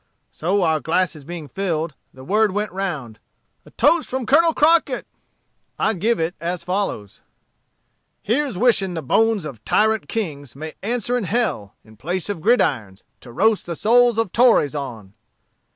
So our glasses being filled, the word went round, 'A toast from Colonel Crockett.' I give it as follows: 'Here's wishing the bones of tyrant kings may answer in hell, in place of gridirons, to roast the souls of Tories on.'